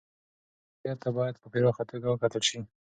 اجتماعي واقعیت ته باید په پراخه توګه و کتل سي.